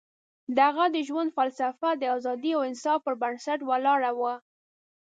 د هغه د ژوند فلسفه د ازادۍ او انصاف پر بنسټ ولاړه وه.